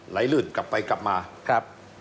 ไหลลื่นกลับไปกลับมา